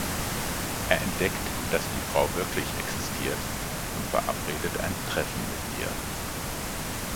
Er entdeckt, dass die Frau wirklich existiert und verabredet ein Treffen mit ihr.